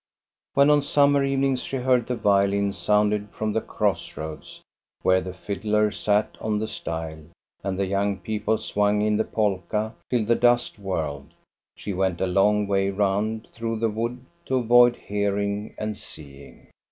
When on summer evenings she heard the violin sounded from the cross roads, where the fiddler sat on the stile, and the young people swung in the polka till the dust whirled, she went a long way round through the wood to avoid hearing and seeing.